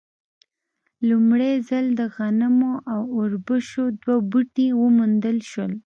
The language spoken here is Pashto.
لومړی ځل د غنمو او اوربشو دوه بوټي وموندل شول.